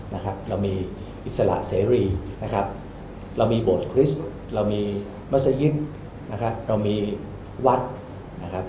เรามีอิสระเสรีเรามีโบสถ์คริสต์เรามีมัศยิตเรามีวัฒน์